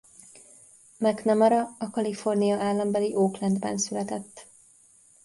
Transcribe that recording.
McNamara a Kalifornia állambeli Oakland-ben született.